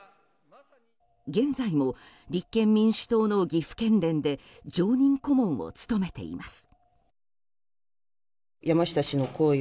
現在も立憲民主党の岐阜県連で常任顧問を務めています。